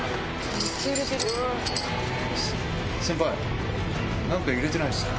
先輩何か揺れてないっすか？